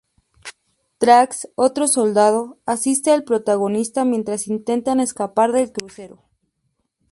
Trask, otro soldado, asiste al protagonista mientas intentan escapar del crucero.